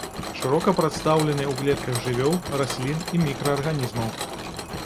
Шырока прадстаўлены ў клетках жывёл, раслін і мікраарганізмаў.